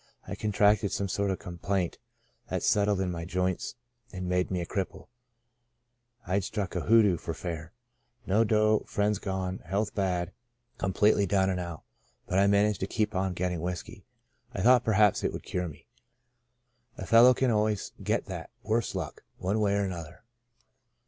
I contracted some sort of complaint that settled in my joints and made me a cripple. Fd struck a hoodoo for fair. No dough, friends gone, health bad, completely down and out. But I managed to keep on getting whiskey. I thought perhaps it would cure me. A fellow " Out of Nazareth 1 33 can nearly always get ^/la^ — worse luck — one way or another.